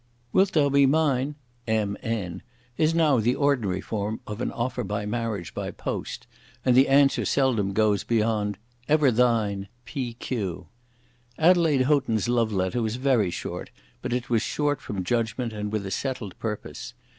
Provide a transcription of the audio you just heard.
"Wilt thou be mine? M. N.," is now the ordinary form of an offer of marriage by post; and the answer seldom goes beyond "Ever thine P. Q." Adelaide Houghton's love letter was very short, but it was short from judgment and with a settled purpose.